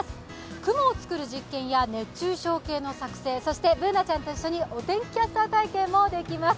雲を作る実験や、熱中症計の作成そしてＢｏｏｎａちゃんと一緒にお天気キャスター体験もできます。